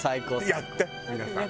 やって皆さん。